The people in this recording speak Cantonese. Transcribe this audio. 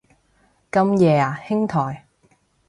咁夜啊兄台